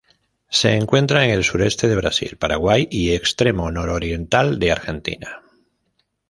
Se encuentra en el sureste de Brasil, Paraguay y extremo nororiental de Argentina.